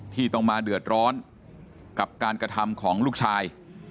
ที่ต้องมาเดือดร้อนกับการกระทำของลูกชาย